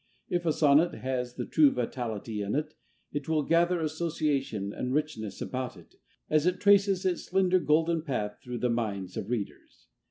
If a sonnet has the true vitality in it, it will gather association and richness about it as it traces its slender golden path through the minds of readers.